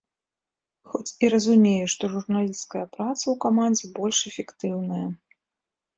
Хоць і разумею, што журналісцкая праца ў камандзе больш эфектыўная.